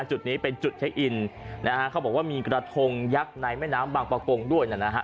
จุดนี้เป็นจุดเช็คอินนะฮะเขาบอกว่ามีกระทงยักษ์ในแม่น้ำบางประกงด้วยนะฮะ